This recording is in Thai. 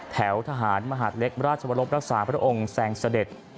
แถวทหารมหาดเล็กราชวรบรักษาพระองค์แสงเสด็จ